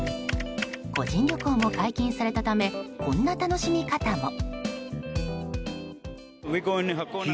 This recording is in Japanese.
個人旅行も解禁されたためこんな楽しみ方も。